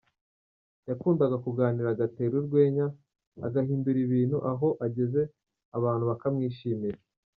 Yakundaga kuganira agatera urwenya agahindura ibintu aho ageze abantu bakamwishimira.